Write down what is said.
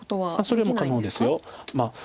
それも可能です。